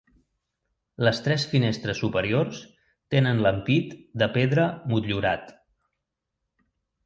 Les tres finestres superiors tenen l'ampit de pedra motllurat.